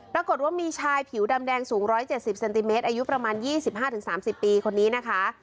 ปรากฏว่ามีชายผิวดำแดงสูง๑๗๐เซนติเมตรอายุประมาณ๒๕๓๐ปีคนนี้นะคะ